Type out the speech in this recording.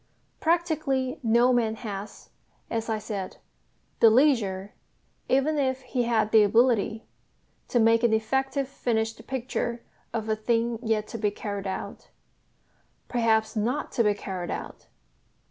Practically no man has, as I said, the leisure, even if he had the ability, to make an effective finished picture of a thing yet to be carried out perhaps not to be carried out.